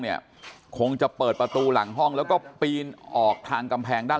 คงจะเปิดประตูหลังห้องแล้วก็ปีนออกทางกำแพงด้าน